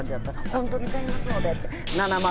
「本当に買いますので」って。